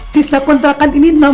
sisa kontrakan ini enam bulan lagi